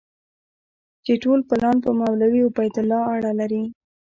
چې ټول پلان په مولوي عبیدالله اړه لري.